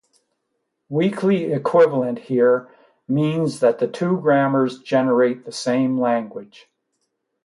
"Weakly equivalent" here means that the two grammars generate the same language.